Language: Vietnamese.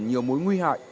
nhiều mối nguy hại